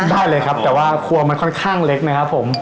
ได้เลยครับแต่ว่าครัวมันค่อนข้างเล็กนะครับผม